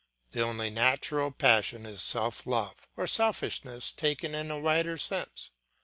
The only natural passion is self love or selfishness taken in a wider sense.